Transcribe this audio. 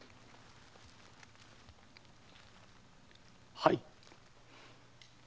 はい。